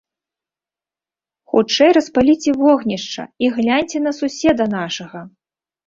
Хутчэй распаліце вогнішча і гляньце на суседа нашага!